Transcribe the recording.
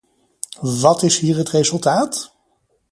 Wat is hier het resultaat?